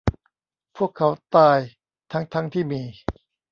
พวกเขาตายทั้ง ๆ ที่มี